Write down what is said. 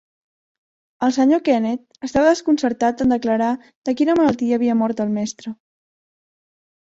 El senyor Kenneth estava desconcertat en declarar de quina malaltia havia mort el mestre.